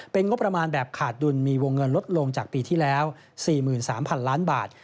เป็นงบประมาณแบบขาดดุลมีวงเงินลดลงจากปีที่แล้ว๔๓๐๐๐ล้านบาท